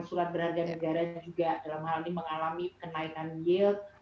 surat berharga negara juga dalam hal ini mengalami kenaikan yield